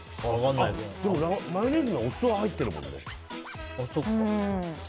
マヨネーズはお酢が入ってるもんね。